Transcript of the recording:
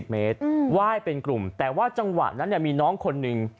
เมตรไหว้เป็นกลุ่มแต่ว่าจังหวะนั้นมีน้องคนหนึ่ง